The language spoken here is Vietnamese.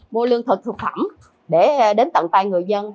mua lương thực thực phẩm để đến tận tay người dân